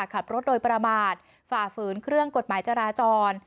ขับรถโดยประมาทฝ่าฝืนเครื่องกฎหมายจราจร